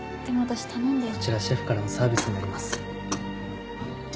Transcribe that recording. こちらシェフからのサービスになります。